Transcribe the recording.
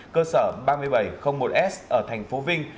cơ sở ba nghìn bảy trăm linh một s ở tp vinh